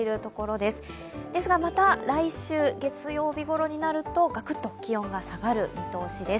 ですが、また来週月曜日ごろになるとがくっと気温が下がる見通しです。